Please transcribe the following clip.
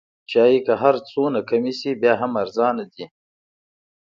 چای که هر څومره کم شي بیا هم ارزانه دی.